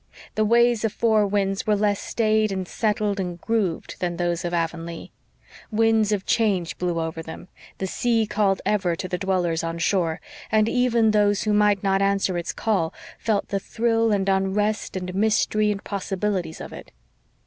The ways of Four Winds were less staid and settled and grooved than those of Avonlea; winds of change blew over them; the sea called ever to the dwellers on shore, and even those who might not answer its call felt the thrill and unrest and mystery and possibilities of it.